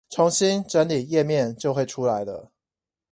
重新整理頁面就會出來了